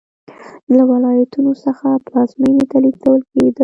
له ولایتونو څخه پلازمېنې ته لېږدول کېدل